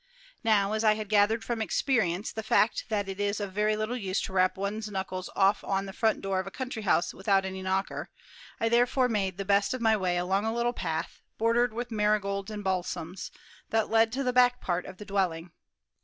Now, as I had gathered from experience the fact that it is of very little use to rap one's knuckles off on the front door of a country house without any knocker, I therefore made the best of my way along a little path, bordered with marigolds and balsams, that led to the back part of the dwelling.